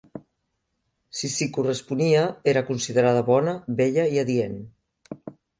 Si s'hi corresponia, era considerada bona, bella i adient.